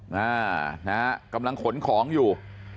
นะฮะกำลังขนของอยู่